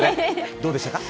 どうでしたか？